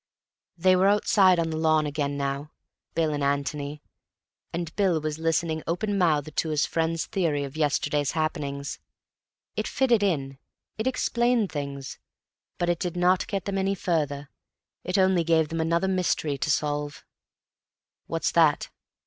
They were outside on the lawn again now, Bill and Antony, and Bill was listening open mouthed to his friend's theory of yesterday's happenings. It fitted in, it explained things, but it did not get them any further. It only gave them another mystery to solve. "What's that?"